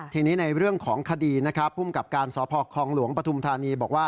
ทีนี้ในเรื่องของคดีนะครับภูมิกับการสพคลองหลวงปฐุมธานีบอกว่า